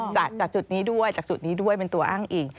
จากจุดนี้ด้วยจากจุดนี้ด้วยเป็นตัวอ้างอิง